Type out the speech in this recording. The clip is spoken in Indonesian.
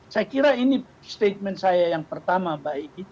saya kira ini statement saya yang pertama mbak egy